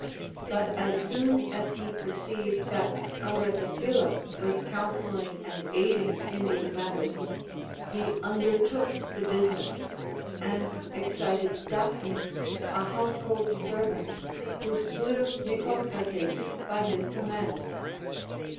But as soon as he per ceived that Aretaphila was counselling and aiding in these matters, he undertook the business, and excited Daphnis a household servant, who slew Nicocrates by his com mand.